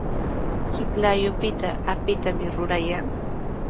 Chiklayupitaqa apitami rurayan.